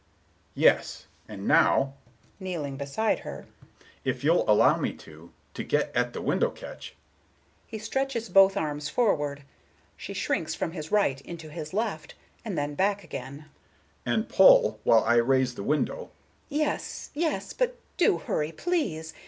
Mr. Richards: "Yes, and now"—kneeling beside her—"if you'll allow me to—to get at the window catch,"—he stretches both arms forward; she shrinks from his right into his left, and then back again,—"and pull while I raise the window"— Miss Galbraith: "Yes, yes; but do hurry, please.